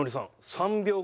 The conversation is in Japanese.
３秒後？